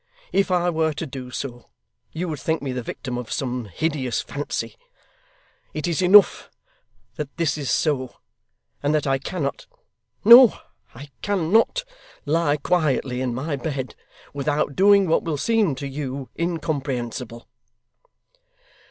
If I were to do so, you would think me the victim of some hideous fancy. It is enough that this is so, and that I cannot no, I can not lie quietly in my bed, without doing what will seem to you incomprehensible.